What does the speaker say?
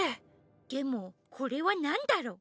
でもこれはなんだろ！？